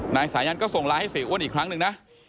นายสายันก็ส่งไลน์ให้เสียอ้วนอีกครั้งหนึ่งนะ